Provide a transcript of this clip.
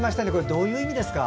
どういう意味ですか？